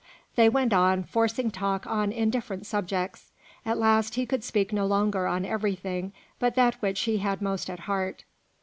They went on, forcing talk on indifferent subjects. At last he could speak no longer on everything but that which he had most at heart.